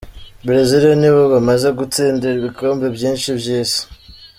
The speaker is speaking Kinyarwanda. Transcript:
Brezil ni bo bamaze gutsindira ibikombe vyinshi vy'isi.